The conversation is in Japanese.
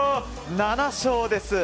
７勝です。